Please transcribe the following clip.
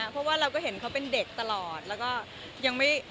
เพราะว่าเราก็เห็นเขาเป็นเด็กตลอดแล้วก็ยังไม่